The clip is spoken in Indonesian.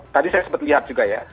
tadi saya sempat lihat juga ya